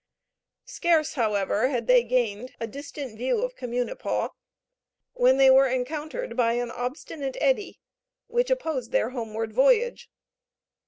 Scarce, however, had they gained a distant view of Communipaw, when they were encountered by an obstinate eddy, which opposed their homeward voyage.